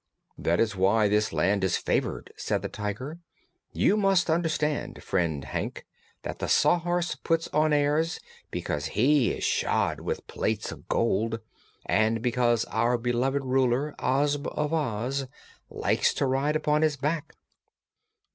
"That is why this Land is favored," said the Tiger. "You must understand, friend Hank, that the Sawhorse puts on airs because he is shod with plates of gold, and because our beloved Ruler, Ozma of Oz, likes to ride upon his back."